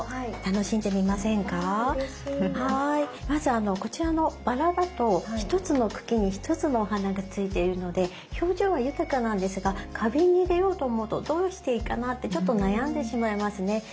まずこちらのバラだと一つの茎に一つのお花がついているので表情は豊かなんですが花瓶に入れようと思うとどうしていいかなってちょっと悩んでしまいますね。